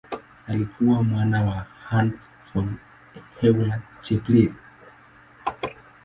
Alikuwa mwana wa Hans von Euler-Chelpin.